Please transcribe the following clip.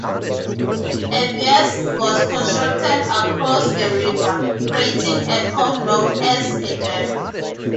A weir was constructed across the river, creating a pond known as a "dam".